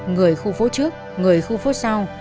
người khu phố trước người khu phố sau